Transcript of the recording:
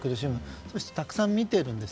そういう人をたくさん見ているんです。